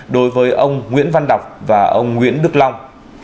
đối với ông nguyễn văn đọc và ông nguyễn đức long